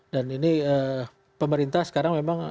dan ini pemerintah sekarang memang